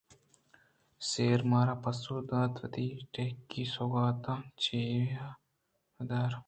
سیہ مار پسّہ دنت وتی ٹیکی ءُ سوغاتاں چداں چہ بر